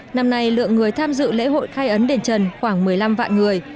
năm nay lượng người tham dự lễ hội khai ấn đền trần khoảng một mươi năm vạn người